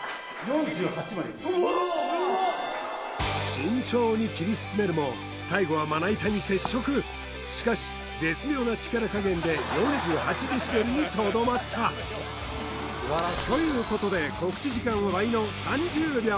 慎重に切り進めるも最後はまな板に接触しかし絶妙な力加減で４８デシベルにとどまった！ということで告知時間は倍の３０秒！